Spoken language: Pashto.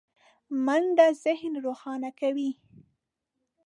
منډه ذهن روښانه کوي